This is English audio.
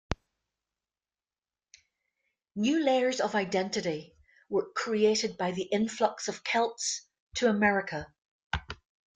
New layers of identity were created by the influx of Celts to America.